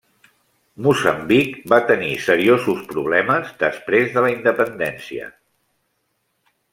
Moçambic va tenir seriosos problemes després de la independència.